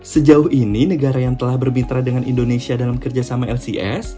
sejauh ini negara yang telah bermitra dengan indonesia dalam kerjasama lcs